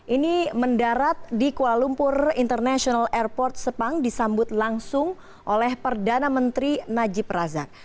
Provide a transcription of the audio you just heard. ini mendarat di kuala lumpur international airport sepang disambut langsung oleh perdana menteri najib razak